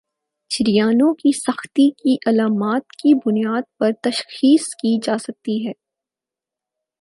شریانوں کی سختی کی علامات کی بنیاد پر تشخیص کی جاسکتی ہے